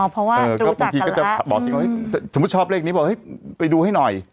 อ๋อเพราะว่ารู้จักกันแล้วสมมุติชอบเลขนี้บอกว่าไปดูให้หน่อย